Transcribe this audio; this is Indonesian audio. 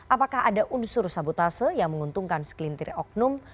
apakah ada unsur sabotase yang menguntungkan sekelintir oknum